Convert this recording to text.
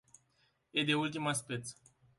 E de ultima speță.